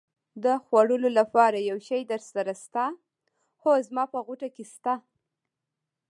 د خوړلو لپاره یو شی درسره شته؟ هو، زما په غوټه کې شته.